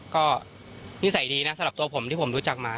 ก็นิสัยดีนะสำหรับตัวผมที่ผมรู้จักมา